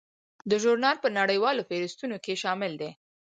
دا ژورنال په نړیوالو فهرستونو کې شامل دی.